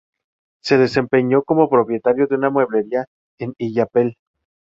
Se desempeñó como propietario de una mueblería en Illapel.